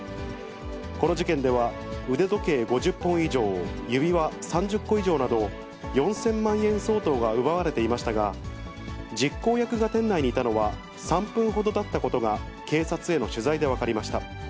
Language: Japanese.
この事件では腕時計５０本以上、指輪３０個以上など、４０００万円相当が奪われていましたが、実行役が店内にいたのは３分ほどだったことが警察への取材で分かりました。